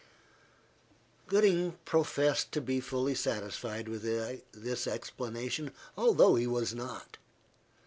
Gooding professed to be fully satisfied with this explanation, although he was not.